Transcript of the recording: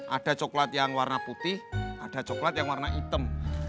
ada coklat yang warna putih ada coklat yang warna hitam